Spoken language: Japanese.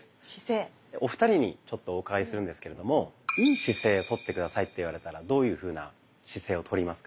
お二人にちょっとお伺いするんですけれども「良い姿勢」をとって下さいって言われたらどういうふうな姿勢をとりますか？